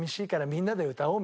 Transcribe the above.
みんなで歌おう。